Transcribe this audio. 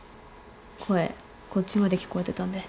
声こっちまで聞こえてたんで。